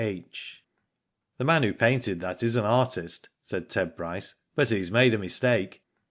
H. "The man who painted that is an artist," said Ted Bryce, " but he's made a mistake.